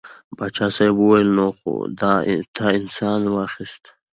پاچا صاحب وویل نو خو تا انسان واخیست.